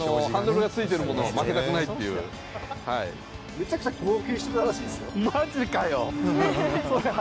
めちゃくちゃ号泣してたらしいですよ。